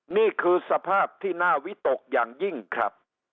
นี่คือสภาพที่น่าวิตกอย่างยิ่งครับ